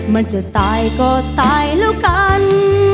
มันจะตายก็ตายแล้วกัน